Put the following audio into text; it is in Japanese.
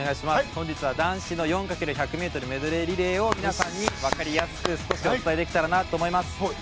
本日は男子の４×１００ｍメドレーリレーを皆さんにわかりやすく少しでもお伝えできたらなと思います。